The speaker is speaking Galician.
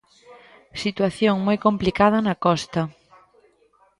Situación moi complicada na costa.